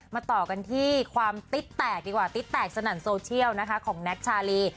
ต่อกันที่ความติ๊ดแตกดีกว่าติ๊ดแตกสนั่นโซเชียลนะคะของแน็กชาลี